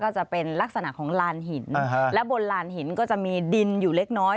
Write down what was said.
ก็จะเป็นลักษณะของลานหินและบนลานหินก็จะมีดินอยู่เล็กน้อย